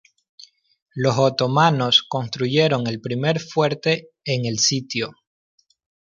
Los otomanos construyeron el primer fuerte en el sitio.